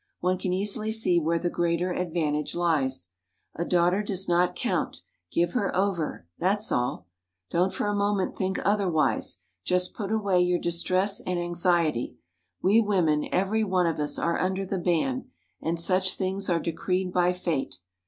One can easily see where the greater advantage lies. A daughter does not count; give her over, that's all. Don't for a moment think otherwise, just put away your distress and anxiety. We women, every one of us, are under the ban, and such things are decreed by Fate.